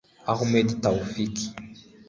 Ahmed Tawfik